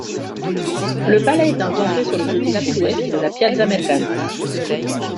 Le palais est implanté sur le côté sud-ouest de la Piazza Mercanti.